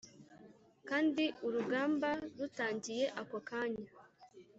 kandi urugamba rutangiye ako kanya